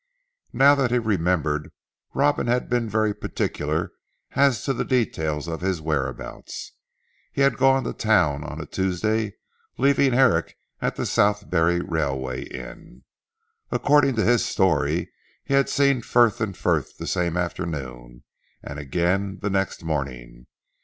Now that he remembered, Robin had been very particular as to the details of his whereabouts. He had gone to Town on a Tuesday leaving Herrick at the Southberry Railway Inn. According to his story he had seen Frith and Frith the same afternoon, and again the next morning.